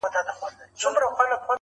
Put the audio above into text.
نه د بل په عقل پوهه کومکونو -